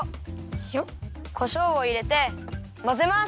こしょうをいれてまぜます。